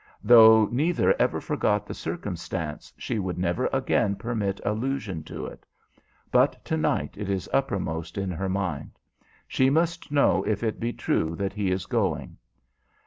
Though neither ever forgot the circumstance, she would never again permit allusion to it. But to night it is uppermost in her mind. She must know if it be true that he is going.